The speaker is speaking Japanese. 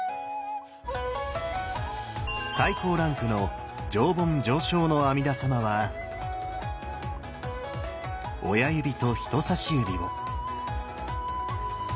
最高ランクの上品上生の阿弥陀様は親指と人さし指を。